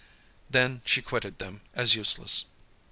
Then, she quitted them as useless.